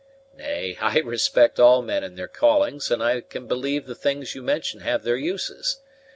"Nay, I respect all men in their callings, and I can believe the things you mention have their uses.